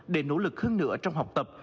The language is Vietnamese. để nỗ lực hơn nữa trong học tập